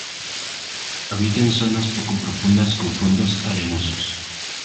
Habita en zonas poco profundas con fondos arenosos.